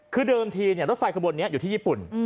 คือเดิมทีรถไฟขบวนนี้อยู่ที่ญี่ปุ่น